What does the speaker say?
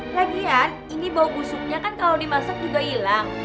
lagian ini bau busuknya kan kalau dimasak juga hilang